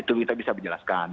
itu kita bisa menjelaskan